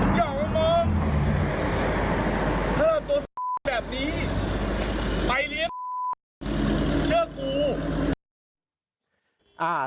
อย่าออกมามองถ้าเราตัวแบบนี้ไปเลี้ยงเชื่อกู